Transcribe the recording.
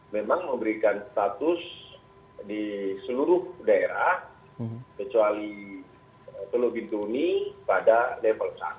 memang memberikan status di seluruh daerah kecuali teluk bintuni pada level satu